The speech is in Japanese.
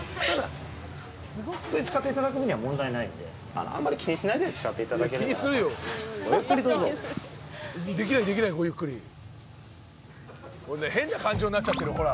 普通に使っていただく分には問題ないのであんまり気にしないで使っていただければ。